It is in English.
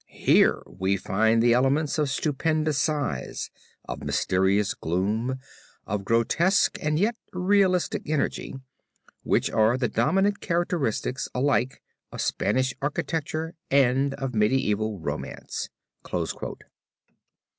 Here we find the elements of stupendous size, of mysterious gloom, of grotesque and yet realistic energy, which are the dominant characters, alike of Spanish architecture and of medieval romance."